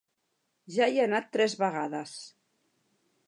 Ja hi he anat tres vegades.